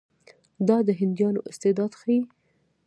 دا د هندیانو استعداد ښيي.